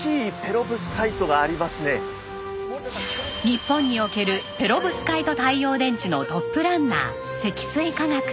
日本におけるペロブスカイト太陽電池のトップランナー積水化学。